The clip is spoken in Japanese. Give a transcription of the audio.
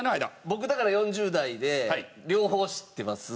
僕だから４０代で両方知ってます。